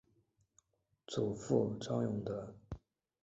祖父张永德。